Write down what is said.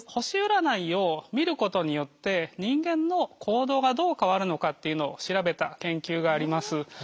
星占いを見ることによって人間の行動がどう変わるのかっていうのを調べた研究があります。